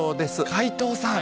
海藤さん。